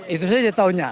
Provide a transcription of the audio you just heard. itu saja tahunya